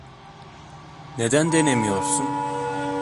Neden denemiyorsun?